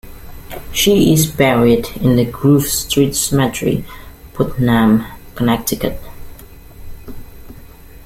She is buried in Grove Street Cemetery, Putnam, Connecticut.